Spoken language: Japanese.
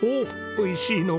おいしい。